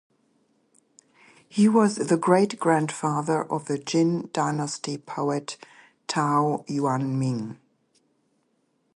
He was the great-grandfather of the Jin Dynasty poet Tao Yuanming.